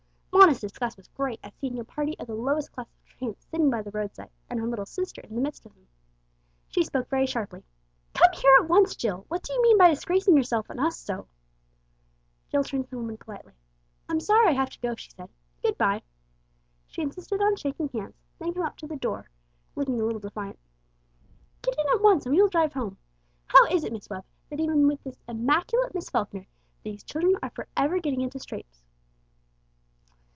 Mona's disgust was great at seeing a party of the lowest class of tramps sitting by the roadside, and her little sister in the midst of them. She spoke very sharply "Come here at once, Jill! What do you mean by disgracing yourself and us so?" Jill turned to the woman politely. "I'm sorry I have to go," she said. "Good bye." She insisted on shaking hands, then came up to the carriage door, looking a little defiant. "Get in at once, and we will drive home. How is it, Miss Webb, that even with this immaculate Miss Falkner these children are for ever getting into scrapes?"